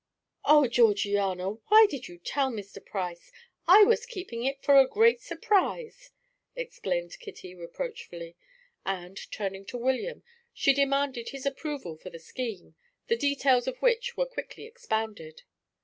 "Oh, Georgiana, why did you tell Mr. Price? I was keeping it for a great surprise," exclaimed Kitty reproachfully; and turning to William, she demanded his approval for the scheme, the details of which were quickly expounded.